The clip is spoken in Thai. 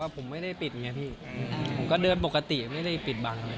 ผมไม่ได้ปิดอย่างนี้พี่ผมก็เดินปกติไม่ได้ปิดบัง